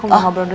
oh boleh boleh